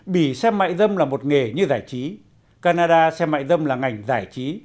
bỉ xem mại dâm là một nghề như giải trí canada xem mại dâm là ngành giải trí